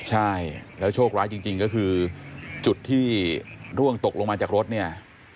ใช่แล้วโชคร้ายจริงก็คือจุดที่ร่วงตกลงมาจากรถเนี่ย